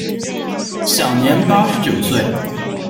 享年八十九岁。